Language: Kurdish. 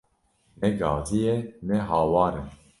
Ne gazî ye ne hawar e